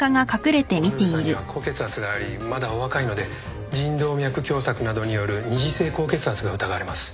ボヌールさんには高血圧がありまだお若いので腎動脈狭窄などによる二次性高血圧が疑われます。